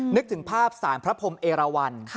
นึกถึงภาพสารพระพรมเอราวัน